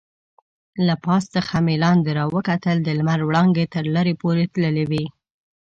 له پاس څخه مې لاندې راوکتل، د لمر وړانګې تر لرې پورې تللې وې.